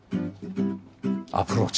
アプローチ。